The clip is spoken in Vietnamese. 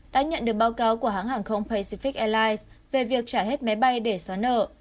đã nhận được báo cáo của hãng hàng không pacific airlines về việc trả hết máy bay để xóa nợ